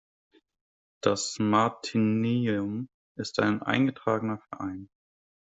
Das Martineum ist ein eingetragener Verein.